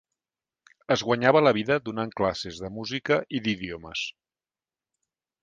Es guanyava la vida donant classes de música i d'idiomes.